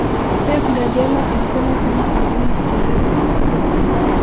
pep guardiola anapenda sana kununua wachezaji bora